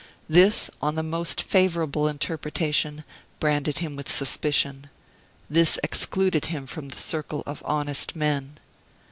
This, on the most favorable interpretation, branded him with suspicion. This excluded him from the circle of honest men.